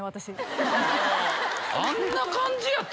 あんな感じやった？